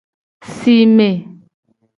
Sime.